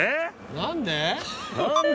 何で？